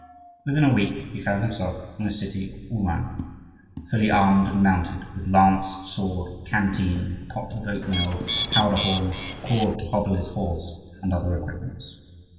Within a week he found himself in the city of Ouman, fully armed, and mounted, with lance, sword, canteen, pot of oatmeal, powder horn, cord to hobble his horse, and other equipments.